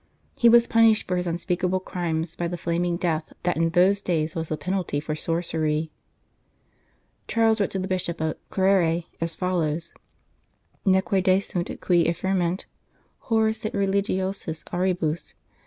He was punished for his unspeakable crimes by the flaming death that in those days was the penalty for sorcery. Charles wrote to the Bishop of Coire as follows : 214 The Only Way " Neque desunt qui affirment (horror sit religiosis auribus